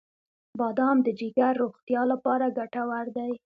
• بادام د جګر روغتیا لپاره ګټور دی.